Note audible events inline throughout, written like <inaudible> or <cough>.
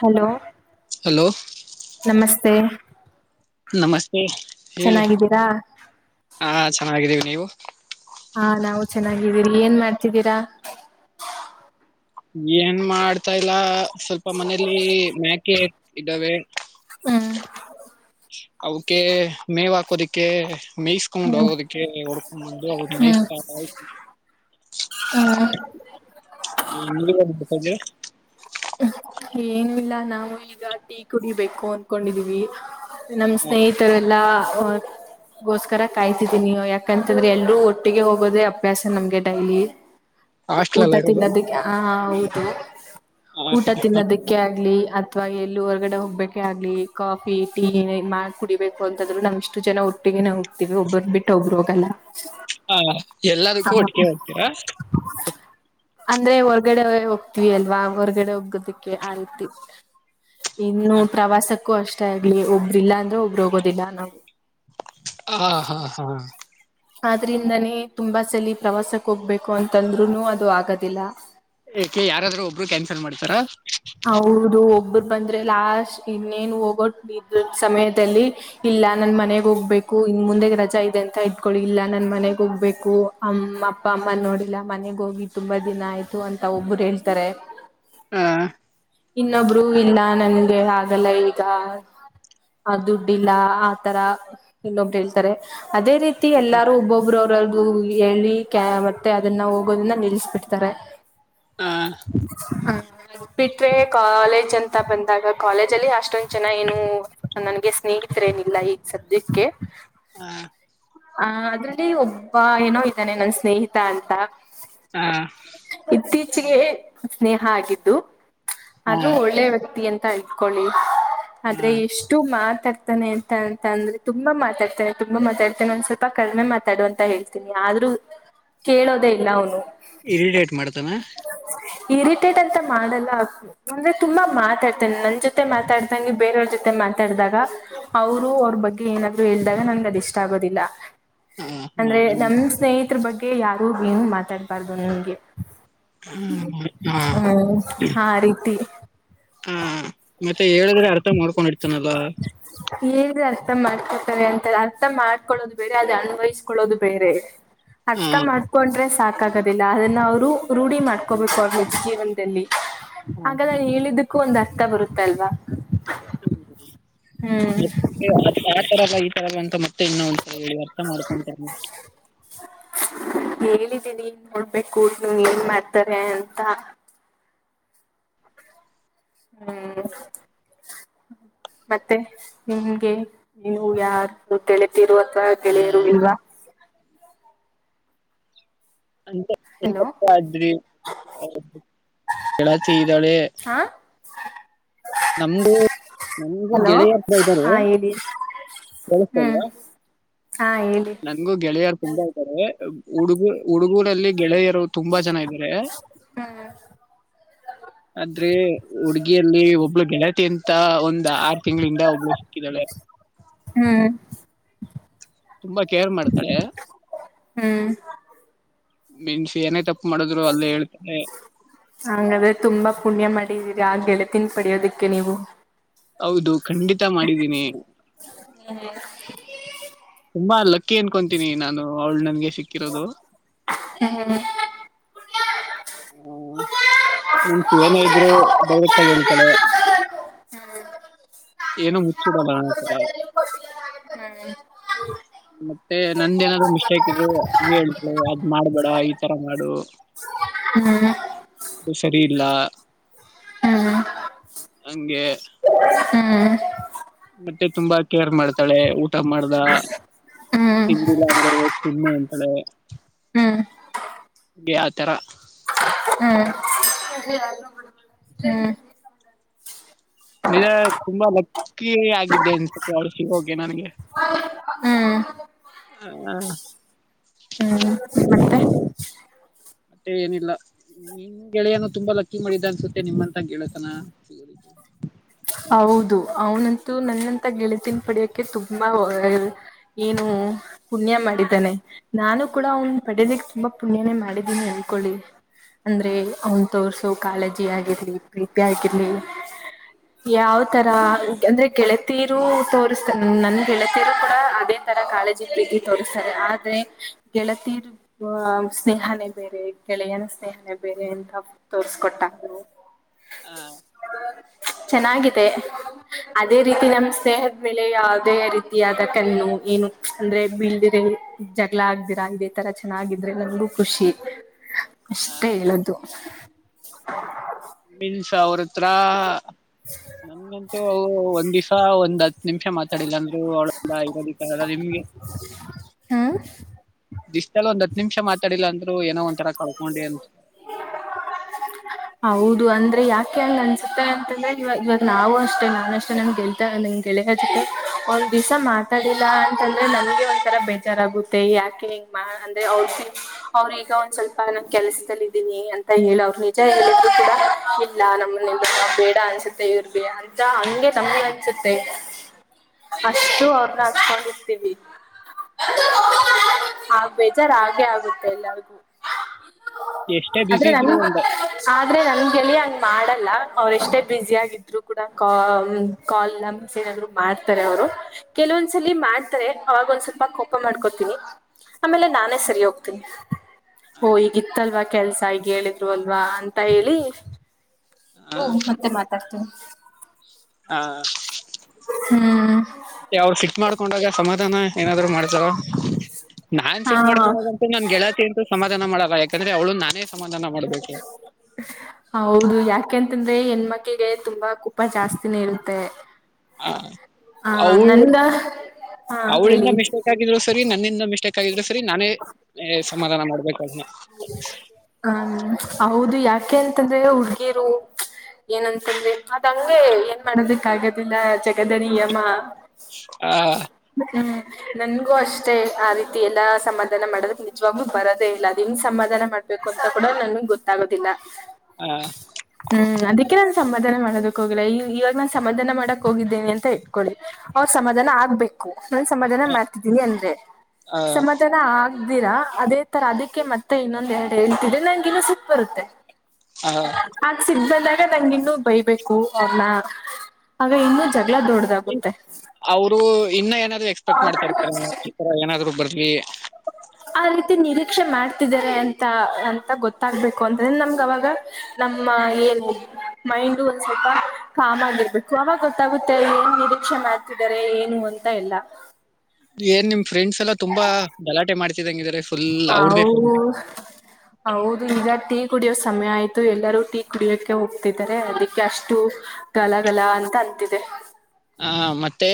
Hello hello ಹ ನಮಸ್ತೆ ಹೇಳಿ ಹಾ ಚೆನ್ನಿದ್ದೀ ನೀವು ಹಾ ನಾವು ಚೆನ್ನಾಗಿದ್ದೀರಿ ಏನ್ ಮಾಡ್ತಿದ್ದೀರಾ ಏನ್ ಮಾಡ್ತಾಲ್ಲ ಸ್ವಲ್ಪ ಮನೇಲಿ ಮ್ಯಾಕೆ ಇದ್ದಾವೆ ಹ್ಮ್ ಅವಕ ಮೇವು ಹಾಕೋದಕ್ಕೆ ಮೇಯಿಸಸ್ಕೊಂಡ್ ಹ್ಮ್ ಹೋಗೋದಕ್ಕೆ ಹೊಡ್ಕೊಂಡ್ ಬಂದು ಅವ ಮೇಯಿಸತ ಹ್ಮ ಏ ನೀ ಏನು ಇಲ್ಲ ನಾವು ಈಗ ಟೀ ಕುಡಿಬೇಕು ಅನ್ಕೊಂಡಿದೀವಿ ನಮ್ ಸ್ನೇಹಿತರೆಲ್ಲಾ ಹ ಗೋಸ್ಕರ ಕಾಯ್ತಿದೀನಿ ಯಾಕಂತಂದ್ರೆ ಎಲ್ರೂ ಒಟ್ಟಿಗೆ ಹೋಗೋದೇ ಅಭ್ಯಾಸ ನಮ್ಗೆ ಡೈಲಿ ಹಾಸ್ಟೆಲ್ ಊಟ ಅಲ್ಲ ತಿನ್ನೋದಕ್ಕೆ ಹ ಹೌದು ಅ ಕೆ ಆಗ್ಲಿ ಅಥ್ವಾ ಎಲ್ಲಿೂ ಹೊರ್ಗಡೆ ಹೋಗ್ಬೇಕೆ ಆಗ್ಲಿ ಕಾಫಿ ಟೀ ಮಾಡ ಕುಡಿಬೇಕು ಅಂತಂದ್ರು ನಮ್ ಇಷ್ಟು ಜನ ಒಟ್ಟಿಗೆ ಹೋಗ್ತಿೀವಿ ಒಬ್ಬರು ಬಿಟ್ಟ ಒಬ್ರು ಹೋಗಲ್ಲ ಹಾ ಹ ಎಲ್ಲದಕ್ಕೂ ಒಟಿಕೆ ಹೋಗ್ತೀರಾ ಅಂದ್ರೆ ಹೊರ್ಗಡೆ ಹೋಗ್ತವಿ ಅಲ್ವಾ ಹೊರ್ಗಡೆ ಹೋಗೋದಿಕ್ಕೆ ಆ ರೀತಿ ಇನ್ನು ಪ್ರವಾಸಕ್ಕೆ ಕ್ಕು ಅಷ್ಟೇ ಆಗ್ಲಿ ಒಬ್ಬ್ರ ಇಲ್ಲ ಅಂದ್ರೆ ಒಬ್ಬರು ಹೋಗೋದಿಲ್ಲ ನಾವು ಹಾ ಹಾ ಹಾ ಆದ್ರಿಂದಾನೇ ತುಂಬಾ ಸಲ ಪ್ರವಾಸಕ್ಕೆ ಹೋಗ್ಬೇಕು ಅಂತಂದ್ರು ಅದು ಆಗದಿಲ್ಲ ಏಕೆ ಯಾರಾದ್ರೂ ಒಬ್ರು ಕ್ಯಾನ್ಸಲ್ ಮಾಡ್ತಾರಾ ಹೌದು ಒಬ್ಬರು ಬಂದ್ರೆ ಲಾಸ್ಟ್ ಇನ್ನೇನು ಹೋಗೋ ಇದ ಸಮಯದಲ್ಲಿ ಇಲ್ಲಾ ನನ್ ಮನೆಗ್ ಹೋಗ್ಬೇಕು ಇನ್ ಮುಂದೆಗ್ ರಜಾ ಇದೆ ಅಂತ ಇಟ್ಕಿ ಇಲ್ಲಾ ನನ್ ಮನೆಗ್ ಹೋಗ್ಬೇಕು ಅಮ್ಮ ಅಪ್ಪ ಅಮ್ಮ ನೋಡಿಲ್ಲ ಮನೆಗ್ ಹೋಗಿ ತುಂಬಾ ದಿನ ಆಯ್ತು ಅಂತ ಒಬ್ಬರು ಹೇಳ್ತಾರೆ. ಹಾ ಇನ್ನೊಬ್ರು ಇಲ್ಲ ನನ್ಗೆ ಹಾಗಲ್ಲ ಈಗ ಆ ದುಡ್ಡಿಲ್ಲ ಆತರ ಇನ್ನೊಬ್ರು ಹೇಳ್ತಾರೆ ಅದೇ ರೀತಿ ಎಲ್ಲಾರು ಒಬ್ಬೊಬರು ಅವ್ರ್ದು ಹೇಳಿ ಕ ಮತ್ತೆ ಅದನ್ನ ಹೋಗೋದನ್ನ ನಿಲ್ಸ್ಬಿಡ್ತಾರೆ ಆ, ಹ್ಮ ಹ ಬಿಟ್ರೆ ಕಾಲೇಜ್ ಅಂತ ಬಂದಾಗ ಕಾಲೇಜ್ ಅಲ್ಲಿ ಅಷ್ಟೊಂದ ಜನ ಏನು ನನ್ಗೆ ಸ್ನೇಹಿತರೇಏನಿಲ್ಲ ಈಗ ಸದ್ಯಕ್ಕೆ ಹಾ ಅ ಅದ್ರಲ್ಲಿ ಒಬ್ಬ ಏನೋ ಇದ್ದಾನೆ ನನ್ ಸ್ನೇಹಿತ ಅಂತ ಹಾ ಇತ್ತೀಚೆಗೆ ಸ್ನೇಹ ಆಗಿದ್ದು ಆ, ಅದು ಒಳ್ಳೆ ವ್ಯಕ್ತಿ ಅಂತ ತೈಕೊೊಳ್ಳಿ ಆದ್ರೆ ಆ, ಎಷ್ಟು ಮಾತ್ ಮಾತಾಡ್ತಾನೆ ಅಂತ ಅಂತ ಅಂದ್ರೆ ತುಂಬಾ ಮಾತಾಡ್ತಾನೆ ತುಂಬಾ ಮಾತಾಡ್ತಾನೆ ಒಂದ್ ಸ್ವಲ್ಪ ಕಡಿಮೆ ಮಾತಾಡುವ ಅಂತ ಹೇಳ್ತೀನಿ ಆದ್ರೂ ಕೇಳೋದೇ ಇಲ್ಲ ಅವನು ಇರಿಟೇಟ್ ಮಾಡ್ತಾನ ಟೆಟ್ ಅಂತ ಮಾಡಲ್ಲ ಅಂದ್ರೆ ತುಂಬಾ ಮಾತಾಡ್ತೇನೆ ನನ್ ಜೊತೆ ಮಾತಾಡ್ದಂಗೆ ಬೇರೆಯವ್ರ ಜೊತೆ ಮಾತಾಡ್ದಾಗ ಅವ್ರು ಅವ್ರ ಬಗ್ಗೆ ಏನಾದ್ರೂ ಹೇಳ್ದಾಗ ನಂಗಗೆ ಅದ ಇಷ್ಟ ಆಗೋದಿಲ್ಲ ಆ, ಆ, ಅಂದ್ರೆ ಹಂಗ ನಮ್ ಸ್ನೇಹಿತರ ಬಗ್ಗೆ ಯಾರು ಏನು ಮಾತಾಡ್ಬಾರ್ದು ನಂಗೆ ಹ್ಮ್ ಹಾ ಹ್ಮ್ ರತಿ ಹ ಮತ್ತೆ ಹೇಳಿದ್ರೆ ಅರ್ಥ ಮಾಡ್ಕೊಂಡಿರ್ತಾನಲ್ಲ ಹೇಗೆ ಅರ್ಥ ಮಾಡ್ಕೊಡ್ತಾರೆ ಅಂತ ಅರ್ಥ ಮಾಡ್ಕೊಳ್ಳೋದು ಬೇರೆ ಅದ ಅನ್ವಯಿಸ್ಕೊಳ್ಳೋದು ಬೇರೆ ಹ ಅರ್ಥ ಮಾಡ್ಕೊಂಡ್ರೆ ಸಾತ್ ಆಗೋದಿಲ್ಲ ಅದನ್ನ ಅವರು ರೂಢಿ ಮಾಡ್ಕೋಬೇಕು ಅವ್ರ ನಿಜ್ಜ ಜೀವನದಲ್ಲಿ ಹಾಗಲ್ಲ ನೀ ಹೇಳಿದ್ದಕ್ಕೂ ಒಂದಷ್ಟೆ ಬತ ಬರುತ್ತಲ್ವಾ ಹ್ಮ್ ಹ ಮತ್ತ ಆ ತರ ಅಲ್ಲ ಈ ತರ ಅಂತ ಮತ್ತ ಮತ್ತ ಇನ್ನು ಉಂತ ಹೇಳಿ ಅರ್ಥ ಮಾಡ್ಕೊಂತಾರ ಹೇಳಿದ್ದೀನಿನ್ ನೋಡ್ಬೇಕು ನೀ ಏನ್ ಮಾಡ್ತಾರೆ ಅಂತ ಹ್ಮ್ ಮತ್ತೆ ನಿಮ್ಗೆ ನೀವು ಯಾರ ತಿಿ ಿರುವಥ ಹ ಗೆಳೆಯರು ಇಲ್ವಾ ಹಲೋ ್ರಿ ಳತ ಇದ್ದಾಳೆ ಹಾ ನಮಗೂ ನಮಗೂ ಹಲೋ ಗೆಳೆಯತ್ ಇದ್ದಾರೆ ಹಾ ಹೇಳಿ ಹ್ಮ್ ಕೇಳ್ಸ್ತೇಲ್ವಾ ಹಾ ಹೇಳಿ ನನ್ಗೂ ಗೆಳೆಯಾರ್ ತುಂಬಾ ಆತಾರೆ ಹುಡುಗರು ಹುಡುಗರು ಲ್ಲಿ ಗೆಳೆಯರು ತುಂಬಾ ಜನ ಇದ್ದಾರೆ ಹ್ಮ್ ಆದ್ರೆ ಹುಡ್ಗಿಯಲ್ಲಿ ಒಬ್ಳ ಗೆಳತಿ ಅಂತ ಒಂದ್ ಆರು ತಿಂಗಳಿಂದ ಒಬ್ಳು ಸಿಕ್ಕಿದಾಳೆ ಹ್ಮ್ ತುಂಬಾ ಕೇರ್ ಮಾಡ್ತಾರೆ ಹ್ಮ್ ಮನ್ಸಿಏನ ಹಂಗ್ರೆ ತುಂಬಾ ಪುಣ್ಯ ಮಾಡಿದೀ ಗ ಆ ಗೆಳೆತನ್ ಪಡಿಯೋದಿಕ್ಕೆ ನೀವು ಹೌದು ಖಂಡಿತ ಮಾಡಿದ್ದೀನಿ ತುಂಬಾ ಲಕ್ಕಿ ಅನ್ಕೊಂತೀನಿ ನಾನು ಅವಳು ನನ್ಗೆ ಸಿಕ್ಕರದು ಹಾ ನನ್ಸ ಏನ ಇದ್ರು ಡೈರೆಕ್ಟ್ ಆಗ ಹೇಳ್ತಾಳೆ ಏನ ಮುಚ್ಚಿಡಲ್ಲ ನತ್ರರ ಮತ್ತೆ ನಂದೇಏನಾದ್ರು ಮಿಸ್ಟೇಕ್ ಇದ್ರು ಹ ಹೇಳ್ತರು ಅದ್ ಮಾಡ್ಬೇಡ ಈ ತರ ಮಾಡು ಹ್ಮ್ ಹ್ಮ್ ಅದು ಸರಿ ಇಲ್ಲ ಹ್ಮ್ ಹಂಗೆ ಹ್ಮ್ ಮತ್ತೆ ತುಂಬಾ ಕೇರ್ ಮಾಡ್ತಾಳೆ ಊಟ ಮಾಡ್ದ ಹ್ಮ್ ಹ್ಮ್ ಹಿಂದ ಸ್ಣ ಹ್ಮ್ ಅಂತಳೆಗೆ ಆ ತರ ಹ್ಮ ನಿ ತುಂಬಾ ಲಕ್ಕಿ ಆಗಿದ್ದೆ ಸ್ವಲ್ಪ ಹೊಳಸ ಹೆ ನನ್ಗೆ ಹ ಹ್ಮ್ ಹ್ಮ್ ಮತ್ತೆ ಮತ್ತೆ ಏನಿಲ್ಲ ನಿಮ್ ಗೆಳೆಯನು ತುಂಬಾ ಲಕ್ಕಿ ಮಾಡಿದ್ದ ಅನ್ಸುತ್ತೆ ನಿಮ್ಮಂತ ಗೆಳತನ ಸಿಗೋ ಹೌದು ಅವನಂತೂ ನನ್ನಂತ ಗೆಳತಿನ ಪಡ್ಯಕ್ಕೆ ತುಂಬಾ ಏನು ಪುಣ್ಯ ಮಾಡಿದ್ದಾನೆ ನಾನು ಕೂಡ ಅವ್ನ್ ಪಡ್ಯೋದಕ್ಕೆ ತುಂಬಾ ಪುಣ್ಯನೇ ಮಾಡಿದೀನಿ ಅನ್ಕೊಳ್ಳಿ ಹಾ ಅಂದ್ರೆ ಅವ್ನ್ ತೋರ್ಸೋ ಕಾಳಜಿ ಆಗಿರ್ಲಿ ಪ್ರೀತಿ ಆಗಿರ್ಲಿ ಯಾವ್ ತರ ಅಂದ್ರೆ ಗೆಳತೀರು ತೋರಿಸ್ತಾರೆ ನನ್ ಗೆಳತೀರು ಕೂಡ ಅದೇ ತರ ಕಾೇಜಗ ತೋರ್ಸ್ತಾರೆ ಆದ್ರೆ ಗೆಳತೀರು ಸ್ನೇಹನೇ ಬೇರೆ ಗೆಳೆಯನ ಸ್ನೇಹನೇ ಬೇರೆ ಅಂತ ತೋರ್ಸ್ಕೊಟ್ಟಾಗರು ಹ ಚೆನ್ನಾಗಿದೆ ಅದೇ ರೀತಿ ನಮ್ ಸ್ನೇಹದ ಮೇಲೆ ಯಾವುದೇ ರೀತಿಯಾದ ಕಣ್ಣು ಏನು ಅಂದ್ರೆ ಬೀಲ್ದಿರ ಜಗಳ ಆಗ್್ದಿರಾ ಇದೇ ತರ ಚೆನ್ನಾಗಿದ್ರೆ ನಮಗು ಖುಷಿ ಹ ಅಷ್ಟೇ ಹೇಳದು ಇಲ್ಲ ಅತ್ರ ನನ್ಗಂತೂ ಅವು ಒಂದ್ ದಿವಸ ಹ ಒಂದ ಹತ್ತು ನಿಮಿಷ ಮಾತಾಡಿಲ್ಲ ಇರೋದ ನಿಮ್ಗೆ ಹ್ಮ್ ಇಷ್ಟಲ್ಲ ಒಂದ ನಿಮಿಷ ಮಾತಾಡಿಲ್ಲ ಅಂದರು ಏನೋ ಒಂಥರ ಕಳ್ಕೊಂಡಿ ಅನ್ಸ ನನ್ಗೆ ಹೌದು ಅಂದ್ರೆ ಯಾಕೆ ಹಂಗ್ ಅನ್ಸುತ್ತೆ ಅಂತಂದ್ರೆ ಇವಾಗ ಇವಾಗ ನಾವು ಅಷ್ಟೆ ನಾ ಅಷ್ಟೇ ನನ್ ಗೆಲ್ತಂಗ್ ಗೆಳೆಯಜಕ್ಕೆ ಅವ್ರ ದಿವಸ ಮಾತಾಡಿಲ್ಲಾ ಅಂತಂದ್ರೆ ನನ್ಗೆ ಒಂದಥರ ಬೇಜಾರ್ಗುತ್ತೆ ಯಾಕೆ ಹೆಂಗ ಮಾ ಅಂದ್ರೆ ಅವ್ರ ಅವ್ರ ಈಗ ಒಂದ್ ಸ್ವಲ್ಪ ನಮ ಕೆಲ್ಸದದಲ್ಲಿ ಇದೀಿನಿ ಅಂತ ಹೇಳ ಅವರು ಅಜ್ಜ ಎಲ್ಲಗೂ ಕೂಡ ಇಲ್ಲ ನಮ್ಮನೆಲ್ಲ ನಾವು ಬೇಡ ಅನ್ಸುತ್ತೆ ಇವ್ರಿಗೆ ಅಜ್ಜ ಹಂಗೆ ನಮ್ಗೆ ಅನ್ಸುತ್ತೆ ಅಷ್ಟು ಅವ್ರ ಅಷ್ಟಾಗರ್ತೀವಿ ಆ ಬೇಜಾರ್ ಹಾಗೆ ಆಗುತ್ತೆ ಎಲ್ಲಗೂ ಎಷ್ಟೇ ಬಿಸಿ ಇದ್ರು ಒೊಂಡೆ ಆದ್ರೆ ನಗೆ ಹಂಗ ಮಾಡಲ್ಲ ಅವ್ರ ಎಷ್ಟೇ ಬ್ಯುಿ ಆಗಿದ್ರು ಕೂಡ ಕಲ್ ಮೆಸೇಜ್ ಆದ್ರು ಮಾಡ್ತಾರೆ ಅವರು ಕೆಲವೊಂದ್ಸಲಿ ಮಾಡ್ತಾರೆ ಅವಾಗ ಒಂದ್ ಸ್ವಲ್ಪ ಕೋಪ ಮಾಡ್ಕೋತೀನಿ ಆಮೇಲೆ ನಾನೇ ಸರಿ ಹೋಗ್ತೀನಿ ಓ ಈಗಿತ್ತಲ್ವಾ ಕೆಲ್ಸ ಈಗ ಹೇಳಿದ್ರು ಅಲ್ವಾ ಅಂತ ಹೇಳಿ ಇದರು ಮತ್ತೆ ಮಾತಾಡ್ತೇನೆ ಹಾ ಹ್ಮ್ ಮತ್ತೆ ಅವ್ರು ಫಟ್ ಮಾಡ್ಕೊಂಡಾಗ ಸಮಾಧಾನ ಏನಾದರೂ ಮಾಡ್ತಾವ ನಾನ್ ಹಾ ಸಿಟ್ ಮಾಡ್ಕೋನೋಗಂತ ನನ್ ಗೆಳತಿ ಅಂತ ಸಮಾಧಾನ ಮಾಡ ಯಾಕಂದ್ರೆ ಅವಳು ನಾನೇ ಸಮಾಧಾನ ಮಾಡ್ಬೇಕು <inaudible> ಹೌದು ಯಾಕೆಂತಂದ್ರೆ ಹೆಣ್ಮಕ್ಕಿಗೆ ತುಂಬಾ ಕೊ ಹ ಆ ಅವಳ ನನ್ಗ ಹಾ ಅವಳಿಂದ ಹೇಳಿ ಮಿಸ್ಟೇಕ್ ಆಗಿದ್ರು ಸರಿ ನನ್ನಿಂದ ಮಿಸ್ಟೇಕ್ ಆಗಿದ್ರು ಸರಿ ನಾನೇ ಸಮಾಧಾನ ಮಾಡ್ಬೇಕದನ್ನ ಹ್ಮ ಹೌದು ಯಾಕೆ ಅಂತಂದ್ರೆ ಹುಡ್ಗಿರು ಏನಂತಂದ್ರೆ ಅದ ಹಂಗೆ ಏನ್ ಮಾಡದಕ್ ಆಗದಿಲ್ಲ ಜಗದ ನಿಯಮ ಹಾ ಹ್ಮ್ ನನ್ಗೂ ಅಷ್ಟೇ ಆ ರೀತಿ ಎಲ್ಲಾ ಸಮಾಧಾನ ಮಾಡದಕ್ ನಿಜವಾಗ್ಲೂ ಬರೋದೇ ಇಲ್ಲ ಅದನ್ ಸಮಾಧಾನ ಮಾಡ್ಬೇಕು ಕೊತಾ ಕೊಡ ನನ್ಗ್ ಗೊತ್ತಾಗೋದಿಲ್ಲ ಹ್ಮ್ ಅದಕ್ಕೆ ನ ಸಮಾಧಾನ ಮಾಡೋದಕ್ ಹೋಗಿಲ್ಲ ಇವಾಗ ನಾನು ಸಮಾಧಾನ ಮಾಡಕ್ ಹೋಗಿದ್ದೇನೆ ಅಂತ ಇಟ್ಕೊಳ್ಳಿ ಅವ್ರ ಸಮಾಧಾನ ಆಗ್ಬೇಕು ನಾನ ಸಮಾಧಾನ ಮಾಡ್ತಿದ್ದೀನಿ ಅಂದ್ರೆ ಸಮಾಧಾನ ಆಗ್ ಧೀರ ಅದೇ ತರ ಅದಕ್ಕೆ ಮತ್ತೆ ಇನ್ನೊಂದ ಎ ಹೇಳ್ತಿದ್ರೆ ನಂಗ ಇನ್ನೂ ಸಿಟ್ ಬರುತ್ತೆ ಆಗ ಸಿಬ್ಬದ ಆಗ ನಂಗ ಇನ್ನುೂ ಬೈಬೇಕು ಅವ್ರನ್ನ ಆಗ ಇನ್ನುೂ ಜನ ಎಲ್ಲ ದೊಡ್ಡದಾಗುತ್ತೆ ಅವರು ಇನ್ನ ಏದ ಎಕ್ಸಪಕ್ಟ್ ಮಾಡತಾ ಇತಾರೆ ಇರ ಏನಾದ್ರು ಬ ಈ ಆ ರೀತಿ ನಿರೀಕ್ಷೆ ಮಾಡ್ತಿದ್ದಾರೆ ಅಂತ ಅಂತ ಗೊತ್ತಾಗ್ಬೇಕು ಅಂತ್ರೆ ನಮ್ಗ ಅವವಾಗ ನಮ್ಮ ಏನು ಮೈಂಡು ಒಂದ್ ಸ್ವಲ್ಪ ಕಾಮ್ ಆಗಿರ್ಬೇಕು ಅವಾಗ ಗೊತ್ತಾಗುತ್ತೆ ಏನ್ ನಿರೀಕ್ಷೆ ಮಾಡ್ತಿದ್ದಾರೆ ಏನು ಅಂತ ಎಲ್ಲ ಏನ್ ನಿಮ್ ಫ್ರೆಂಡ್ಸ್ ಎಲ್ಲ ತುಂಬಾ ಗಲಾಟೆ ಮಾಡ್ದಂಗಿದಾರೆ ಹ ಹೌದು ಈಗ ಕುಡಿಯೋ ಸಮಯ ಆಯ್ತು ಎಲ್ಲರೂ ಟೀ ಕುಡಿಯೋಕ ಹೋಗ್ತಿದ್ದಾರೆ ಅದಕ್ಕೆ ಅಷ್ಟು ಗಲಗಲ ಅಂತ ಅಂತಿದೆ ಹ ಮತ್ತೆ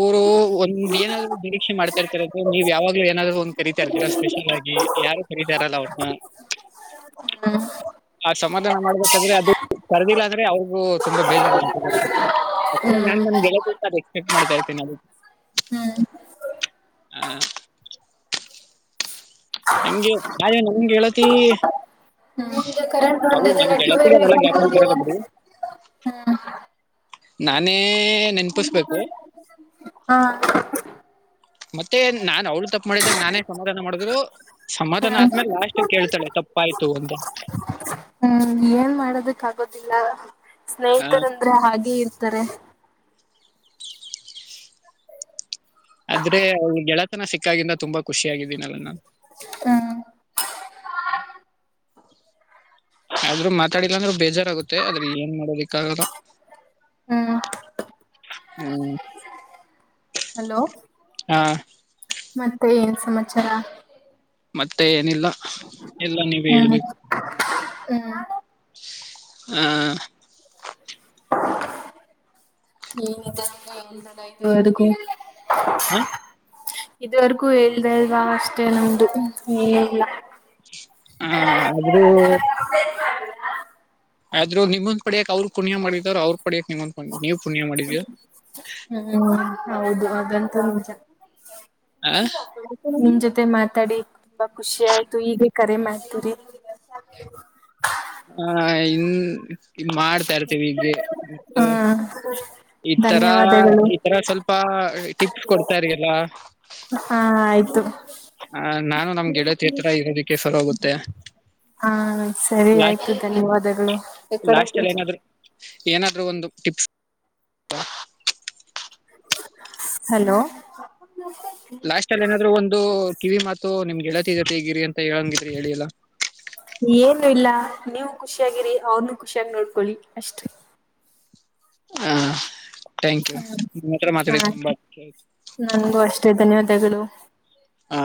ಊರು ಒಂದ್ ಏನಾದ್ರು ನಿರೀಕ್ಷೆ ಮಾಡ್ತಾ ಇರ್ತರೋದು ನೀವ್ ಯಾವಾಗ್ಲೂ ಏನಾದ್ರು ಒಂದ್ ಕರೀತಾ ಇರ್ತೀರಾ ಸ್ಪೆಷಲ್ ಆಗಿ ಯಾರು ಕರೀತಾರಲ್ಲ ಅವ್ರನ್ನ ಆ ಸಮಾಧಾನ ಮಾಡ್ಬೇಕಾದ್ರೆ ಅದು ಕರ್ದಿಲ್ಲ ಅವ್ರಿಗು ತುಂಬಾ ಬೇಜಾರಂದೆ ನನ್ ನನ್ ಗೆಳೆದಂತಾರೆ ಮಾಡ್ತಾ ಇರ್ತೀನ ನ ಅ ಹ್ಮ್ ಹ ಹಂಗೆ ಆದೆ ನಂಗೆಗೆತಿ ನಿಮ್ದು ಕರೆಂಟ್ ಅವು ಹೊಂಟೈತೆ ನೆಟ್ಟ ನನ್ಗೆತಿಗೆ ಬೇರೆ ಅವೆಲ್ಲ ಗ್ಯಾಪ್ನ ಬರಲ್ಲ ಬಿಡಿ ನಾನೇ ನೆನಪಿಸ್ಬೇಕು ಮತ್ತೆ ನಾನ್ ಅವ್ಳ ತಪ್ಪ ಮಾಡಿದಾಗ ನಾನೇ ಸಮಾಧಾನ ಮಾಡಿದ್ರು ಸಮಾಧಾನ ಹ್ಮ್ ಆದ್ಮೇಲೆ ಲಾಸ್ಟ್ ಕೇಳ್ತಾಳೆ ತಪ್ಪಾಯ್ತು ಅಂತ ಲ್ಲ ಆ, ಸ್ನೇಹಿತರಂದ್ರೆ ಹಾಗೆ ಇರ ತ್ತರ ಆದ್ರೆ ಈ ಗೆಳತನ ಸಿಕ್ಕಾಗಿಂದ ತುಂಬಾ ಖುಷಿಿಯಾಗಿದ್ದೀನಲ್ಲ ನಾನು ಹಾ ಹ್ಮ. ಆದ್ರೂ ಮಾತಾಡಿಿಲ್ಲ ಅಂದ್ರರು ಬೇಜಾರ್ಾಗುತ್ತೆ ಆದ್ರೆ ಏನ್ ಮಾಡೋದಕ್ಕ ಆಾಗದ ಹ್ಮ್ ಹ್ಮ್ ಹಲೋ ಆ, ಮತ್ತೆ ಸಮಾಚಾರ ಮತ್ತೆ ಲ್ಲ ಎಲ್ಲ ನೀವ ಹ್ಮ್ ಹೇಳ್ಬೇಕು ಹ್ಮ್ ಹ ಹ್ಮ ಇದ ಎ ಇದುಗ ಹ್ಮ ಇದವರೆಗೂ ಇಲ್ದ ಅಲ್ವಾ ಅಷ್ಟೇ ನಮು ಈ ಇಲ್ಲ ಆ, ಆದ್ರೂ ಹ ಆದ್ರರು ನಿಮೊಂದ ಪಡೆಯಕ್ ಅವ್ರರು ಕುಣಿಯ ಮಾಡಿದಾರರು ಅವ್ರ ಡಕ ನೀವ ಪುಣ್ಯ ಮಾಡಿದೀ್ಯಾ ಹ್ಮ್ ಹೌದು ಅದಂತ ಮಜ ಆ ಇಲ್ಲ ಜೊತೆ ಮಾತಾಡಿ ತುಂಬಾ ಖುಷಿ ಆಯ್ತು ಹೀಗೆ ಕರೆ ಮಾಡ್ತೀರಿ ಹ ಹನ್ ಮಾಡ್ತಾ ಇರ್ತೀವಿಗೆ ಹಾ ಮತ್ತೆ ಈ ತರ ಧನ್ಯವಾದಗಳು ಈತರ ಸ್ವಲ್ಪ ಟಿಪ್ಸ್ ಕೊಡ್ತಾರಗೆಲ್ಲ ಹಾ ಆಯ್ತು ಹ ನಾನು ನಮ್ಗೆ ಗೆಳತಿ ಹ ತರ ಇೋದಕ್ಕೆ ಸರ ಹೋಗುತ್ತೆ ಹಾ ಸರಿ ಲಾ ಆಯ್ತು ಧನ್ಯವಾದಗಳು ಎಕ್ಕಡ ಲಾಸ್ಟ್ ಅಲ್ಲಿ ಪೀಜಿ ಏನಾದ್ರು ಏನಾದರೂ ಒಂದು ಟಿಪ್ಸ್ ಹಲೋ ಲಾಸ್ಟ್ ಅಲ್ಲಿ ಏನಾದ್ರು ಒಂದು ಕಿವಿ ಮಾತು ನಿಮ್ಗೆಳತಿಗತೆ ಈಗಿರಿ ಅಂತ ಹೇಳಂಗಿದ್ರಿ ಹೇಳಿ ಎಲ್ಲಾ ಏನು ಇಲ್ಲ ನೀವು ಖುಷಿಯಾಗಿಿರಿ ಅವ್ನು ಖುಷಿಯಾಗಿ ನೋಡ್ಕೊಳ್ಳಿ ಅಷ್ಟ್ರ ಹ ಹ್ಮ್ ಹಾ ಆಯ್ತು. ನನ್ಗೂ ಅಷ್ಟೇ ನ್ಯವ ತೆಗಳು ಹ